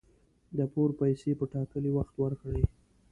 د پور پیسي په ټاکلي وخت ورکړئ